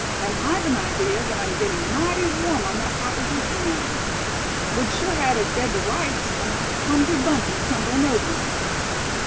And I've an idea that I'm getting mighty warm on that proposition now. Would sure had it dead to rights, only for clumsy Bumpus tumbling over me."